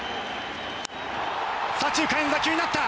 左中間への打球になった！